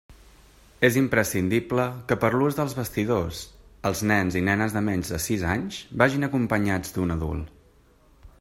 És imprescindible que per l'ús dels vestidors, els nens i nenes de menys de sis anys vagin acompanyats d'un adult.